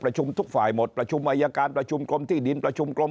ทุกฝ่ายหมดประชุมอายการประชุมกรมที่ดินประชุมกรม